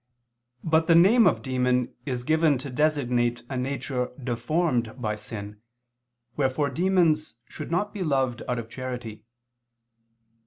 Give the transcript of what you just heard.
But the name of demon is given to designate a nature deformed by sin, wherefore demons should not be loved out of charity.